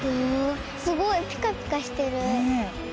すごいピカピカしてる。